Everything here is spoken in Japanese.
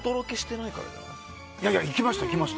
いや、行きました。